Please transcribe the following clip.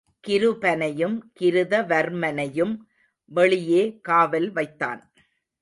கிருபனையும் கிருதவர்மனையும் வெளியே காவல் வைத் தான்.